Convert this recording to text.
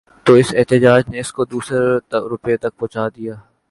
تو اس احتجاج نے اس کو دوسو روپے تک پہنچا دیا ہے۔